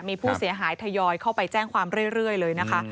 มีผู้เสียหายทยอยเข้าไปแจ้งความเรื่อยเลยนะคะ